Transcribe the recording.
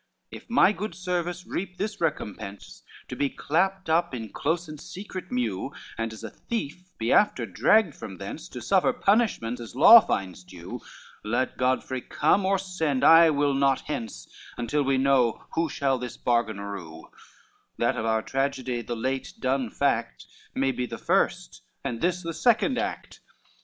XLIII "If my good service reap this recompense, To be clapt up in close and secret mew, And as a thief be after dragged from thence, To suffer punishment as law finds due; Let Godfrey come or send, I will not hence Until we know who shall this bargain rue, That of our tragedy the late done fact May be the first, and this the second, act.